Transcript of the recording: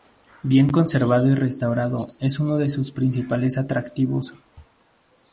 Bien conservado y restaurado, es uno de sus principales atractivos.